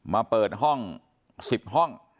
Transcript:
มาเปิดห้อง๑๐ห้อง